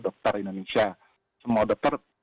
dokter indonesia semua dokter